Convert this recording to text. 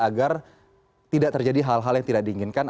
agar tidak terjadi hal hal yang tidak diinginkan